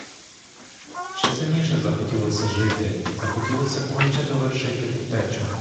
Ще сильніше захотілося жити, захотілося конче довершити утечу.